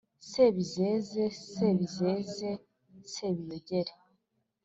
Sebizeze Sebizeze, Sebiyogera